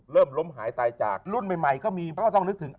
ล้มหายตายจากรุ่นใหม่ก็มีมันก็ต้องนึกถึง